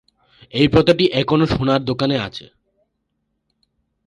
এই প্রথাটি এখনও সোনার দোকানে আছে।